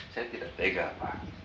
saya tidak tega pak